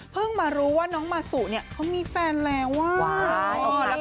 มารู้ว่าน้องมาสุเนี่ยเขามีแฟนแล้วว้าว